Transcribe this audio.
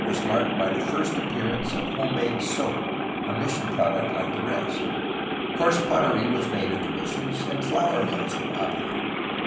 SPANISH CALIFORNIAN INSTITUTIONS 387 marked by the first appearance of home made soap, a mis sion product, like the rest. Coarse pottery was made at the missions, and flour mills were operated.